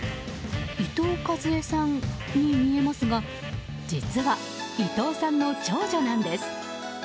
伊藤かずえさんに見えますが実は伊藤さんの長女なんです。